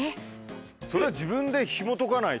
それは自分でひもとかないと。